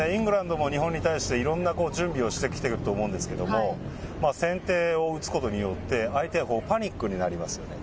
そうですね、イングランドも日本に対していろんな準備をしてきてると思うんですけども、先手を打つことによって、相手がパニックになりますよね。